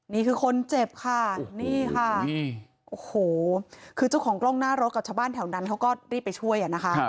นี่คือคนเจ็บค่ะนี่ค่ะโอ้โหคือเจ้าของกล้องหน้ารถกับชาวบ้านแถวนั้นเขาก็รีบไปช่วยอ่ะนะคะ